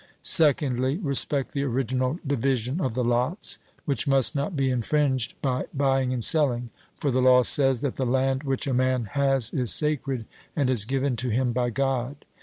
Secondly, respect the original division of the lots, which must not be infringed by buying and selling, for the law says that the land which a man has is sacred and is given to him by God.